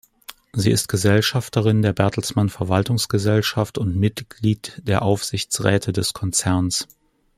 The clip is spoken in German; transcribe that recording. Sie ist Gesellschafterin der Bertelsmann Verwaltungsgesellschaft und Mitglied der Aufsichtsräte des Konzerns.